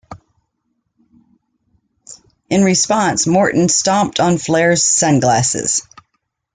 In response, Morton stomped on Flair's sunglasses.